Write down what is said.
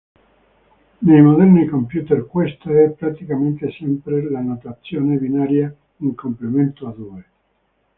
Nei moderni computer questa è praticamente sempre la notazione binaria in complemento a due.